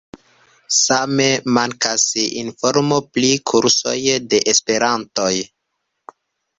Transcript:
Same mankas informo pri kursoj de esperanto.